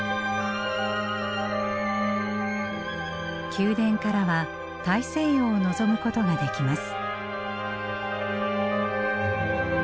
宮殿からは大西洋を望むことができます。